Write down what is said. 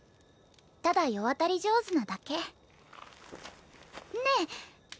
ただ世渡り上手なだけねえ